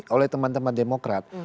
oleh teman teman demokrat